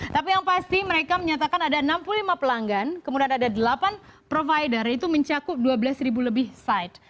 tapi yang pasti mereka menyatakan ada enam puluh lima pelanggan kemudian ada delapan provider itu mencakup dua belas ribu lebih side